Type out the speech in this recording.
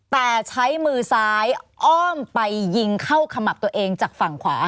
แต่ใช้มือซ้ายอ้อมไปยิงเข้าขมับตัวเองจากฝั่งขวา